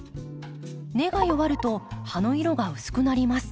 根が弱ると葉の色が薄くなります。